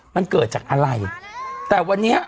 มันเกิดจากอะไรแต่วันนี้